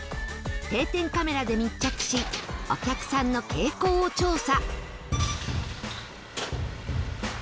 定点カメラで密着しお客さんの傾向を調査